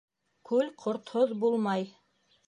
Күл ҡортһоҙ булмай.